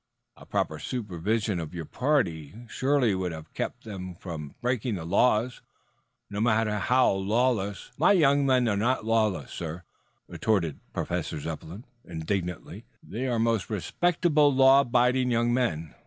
"A proper supervision of your party surely would have kept them from breaking the laws, no matter how lawless " "My young men are not lawless, sir," retorted Professor Zepplin indignantly. "They are most respectable, law abiding young men.